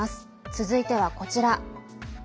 続いては、こちら。